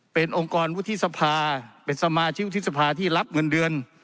เป็นองค์กรวุฒิสภาเป็นสมาชิกวุฒิสภาที่รับเงินเดือน